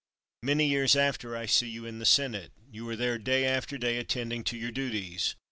Many years after I see you in the Senate. You are there day after day attending to your duties.